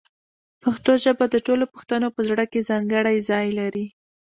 پښتو ژبه د ټولو پښتنو په زړه کې ځانګړی ځای لري.